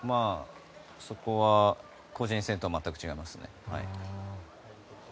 そこは個人戦とは全く違いますね。